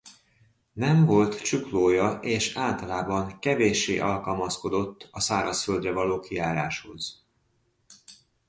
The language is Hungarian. Nem volt csuklója és általában kevéssé alkalmazkodott a szárazföldre való kijáráshoz.